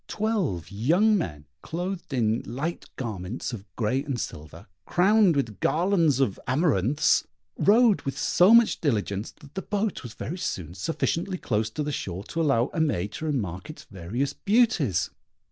Twelve young men, clothed in light garments of grey and silver, crowned with garlands of amaranths, rowed with so much diligence, that the boat was very soon sufficiently close to the shore to allow Aimée to remark its various beauties.